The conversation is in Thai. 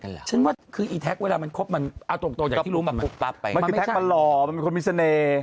มันคือแท็กล่อมีความมิเซนต์